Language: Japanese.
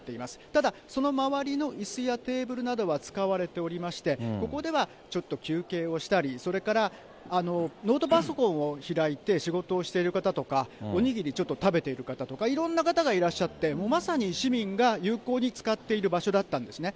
ただ、その周りのいすやテーブルなどは使われておりまして、そこではちょっと休憩をしたり、それからノートパソコンを開いて仕事をしている方とか、お握りちょっと食べている方とか、いろんな方がいらっしゃって、まさに市民が有効に使っている場所だったんですね。